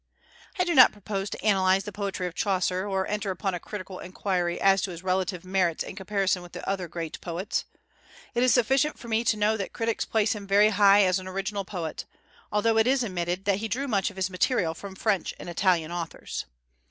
I do not propose to analyze the poetry of Chaucer, or enter upon a critical inquiry as to his relative merits in comparison with the other great poets. It is sufficient for me to know that critics place him very high as an original poet, although it is admitted that he drew much of his material from French and Italian authors.